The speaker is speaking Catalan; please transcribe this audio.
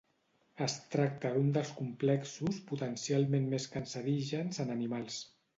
Es tracta d'un dels complexos potencialment més cancerígens en animals.